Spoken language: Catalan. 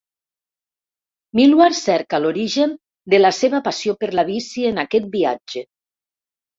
Millward cerca l'origen de la seva passió per la bici en aquest viatge.